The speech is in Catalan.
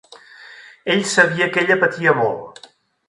Ell sabia que ella patia molt.